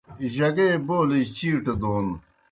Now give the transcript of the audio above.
جگے بولِجیْ چِیٹہ دون